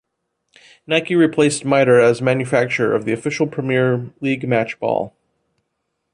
Nike replaced Mitre as manufacturer of the official Premier League match ball.